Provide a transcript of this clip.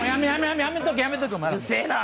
うるせえな！